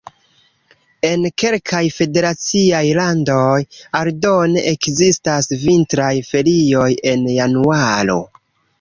En kelkaj federaciaj landoj aldone ekzistas vintraj ferioj en januaro.